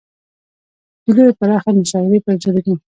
د لویې پراخې مشاعرې پر جوړېدو.